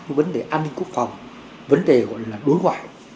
vấn đề an ninh quốc phòng vấn đề gọi là đối ngoại